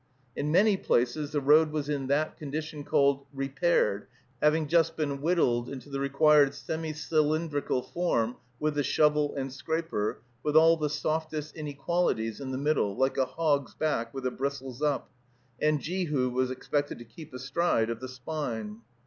In many places the road was in that condition called repaired, having just been whittled into the required semicylindrical form with the shovel and scraper, with all the softest inequalities in the middle, like a hog's back with the bristles up, and Jehu was expected to keep astride of the spine.